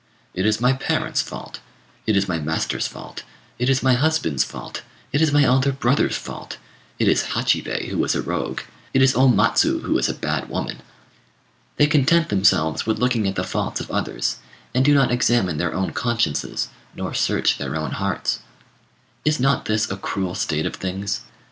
"It is my parents' fault; it is my master's fault; it is my husband's fault; it is my elder brother's fault; it is Hachibei who is a rogue; it is Matsu who is a bad woman." They content themselves with looking at the faults of others, and do not examine their own consciences, nor search their own hearts. Is not this a cruel state of things?